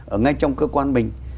ở ngay trong cơ quan mình